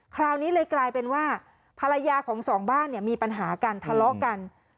คราวนี้เลยกลายเป็นว่าภรรยาของสองบ้านเนี่ยมีปัญหากันทะเลาะกัน